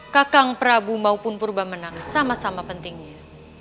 kakang prabu maupun purba menang sama sama pentingnya